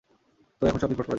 তো এখন সব মিটমাট করা যাক?